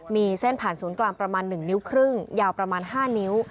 มีเส้นผ่านศูนย์กลางประมาณ๑นิ้วครึ่งยาวประมาณ๕นิ้ว